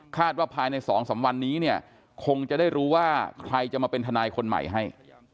ว่าภายใน๒๓วันนี้เนี่ยคงจะได้รู้ว่าใครจะมาเป็นทนายคนใหม่ให้